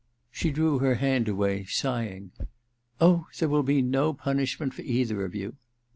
She drew her hand away, sighing. *Oh, there will be no punishment for either of you.'